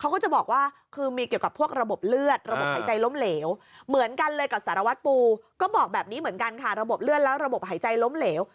ก็จะบอกว่ามีเกี่ยวกับระบบเลือดและระบบหายใจล้มเหลว